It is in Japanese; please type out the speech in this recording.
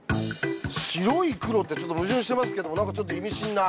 「しろいくろ」ってちょっと矛盾してますけど何かちょっと意味深な。